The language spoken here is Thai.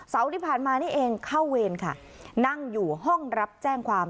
ที่ผ่านมานี่เองเข้าเวรค่ะนั่งอยู่ห้องรับแจ้งความ